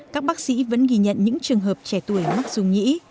các bác sĩ vẫn ghi nhận những trường hợp trẻ tuổi mắc dung nhĩ